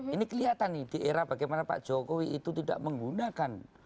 ini kelihatan nih di era bagaimana pak jokowi itu tidak menggunakan